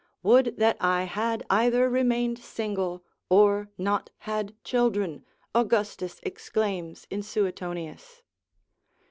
would that I had either remained single, or not had children, Augustus exclaims in Suetonius.